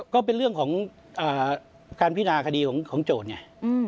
ก็เป็นเรื่องของการพินาคดีของโจทย์ไง